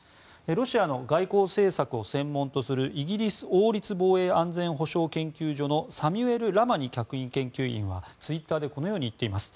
ロシアの外交政策を専門とするイギリス王立防衛安全保障研究所のサミュエル・ラマニ客員研究員はツイッターでこのように言っています。